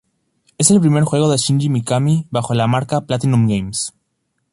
Es el primer juego de Shinji Mikami bajo la marca Platinum Games.